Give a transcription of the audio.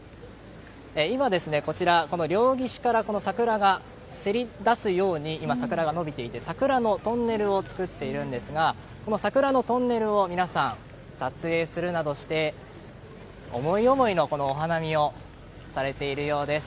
今、こちら両岸から桜がせり出すように桜が伸びていて、桜のトンネルを作っているんですが皆さん、この桜のトンネルを撮影するなどして思い思いのお花見をされているようです。